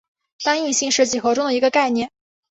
单应性是几何中的一个概念。